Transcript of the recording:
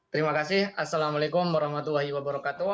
terima kasih assalamualaikum warahmatullahi wabarakatuh